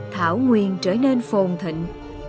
thảo nguyên trở nên phồn thịnh